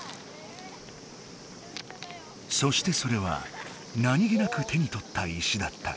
そしてそれは何気なく手にとった石だった。